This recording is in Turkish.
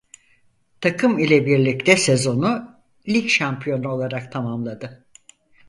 Takım ile birlikte sezonu lig şampiyonu olarak tamamladı.